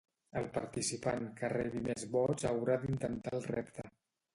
El participant que rebi més vots haurà d'intentar el repte.